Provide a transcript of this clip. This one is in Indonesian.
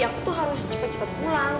aku tuh harus cepet cepet pulang